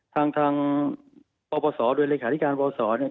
ทางบบสโดยริขาธิการบสเนี่ย